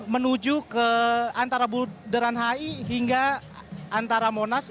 menuju ke antara bundaran hi hingga antara monas